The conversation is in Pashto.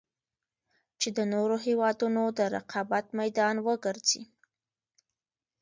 چـې د نـورو هېـوادونـو د رقـابـت مـيدان وګـرځـي.